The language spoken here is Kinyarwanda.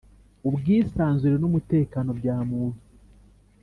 Ubwisanzure n’umutekano bya muntu